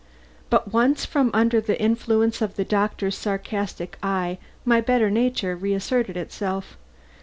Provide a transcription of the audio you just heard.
But once from under the influence of the doctor's sarcastic eye, my better nature reasserted itself.